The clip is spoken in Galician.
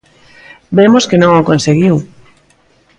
Vemos que non o conseguiu.